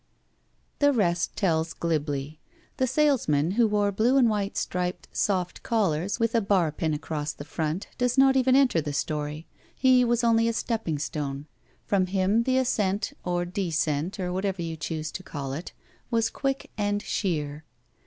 The rest tells glibly. The salesman, who wore blue and white striped soft collars with a bar pin 65 BACK PAY across the front, does not even enter the story. He was only a stepping stone. From him the ascent or descent, or whatever you choose to call it, was quick and sheer.